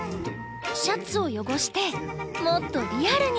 シャツを汚してもっとリアルに！